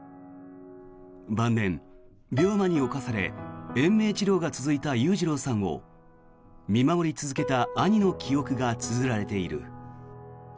晩年、病魔に侵され延命治療が続いた裕次郎さんを見守り続けた兄の記憶がつづられている。